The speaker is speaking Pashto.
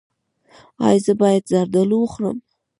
ایا زه باید زردالو وخورم؟